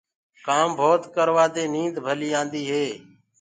ڪآم ڀوت ڪروآ دي نيند ڀليٚ آندي هي۔